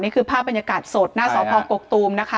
ภาพบรรยากาศสดหน้าสพกกตูมนะคะ